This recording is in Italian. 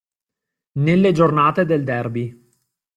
Nelle giornate del derby.